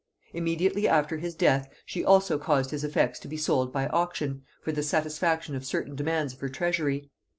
Immediately after his death she also caused his effects to be sold by auction, for the satisfaction of certain demands of her treasury.